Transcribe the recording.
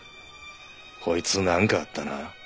こいつなんかあったな？